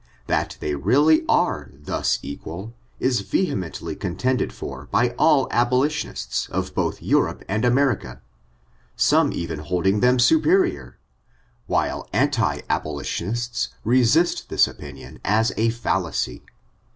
That they really are thus equal, is vehemently contended for by all aboUtionists of both Europe and America, some even holding them supe rior, while anti aholitionists resist this opinion as a fallacy.